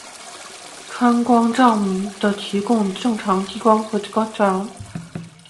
氚光照明的提供正常和低光照条件以下的瞄准能力。